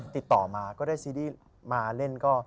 ติดต่อมาก็ได้ซีรีส์มาเล่นก็